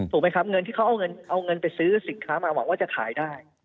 ถูกไหมครับเงินที่เขาเอาเงินไปซื้อสินค้ามาหวังว่าจะขายได้